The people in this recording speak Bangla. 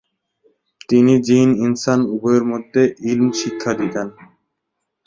তিনি জ্বিন-ইনসান উভয়ের মধ্যে ইলম শিক্ষা দিতেন।